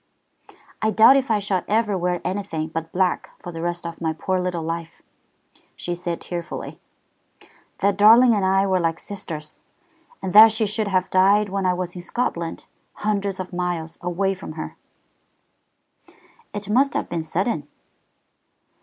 "I doubt if I shall ever wear anything but black for the rest of my poor little life," she said tearfully. "That darling and I were like sisters. And that she should have died when I was in Scotland, hundreds of miles away from her!" "It must have been sudden?"